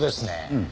うん。